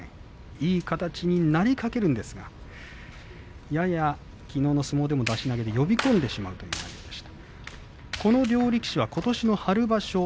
いい形になりかけたんですけどもきのうの相撲でも出し投げで呼び込んでしまうという相撲でした。